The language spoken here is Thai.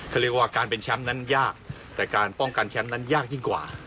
เขาเรียกว่าการเป็นแชมป์นั้นยากแต่การป้องกันแชมป์นั้นยากยิ่งกว่า